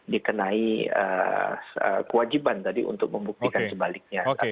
dikenai kewajiban tadi untuk membuktikan sebaliknya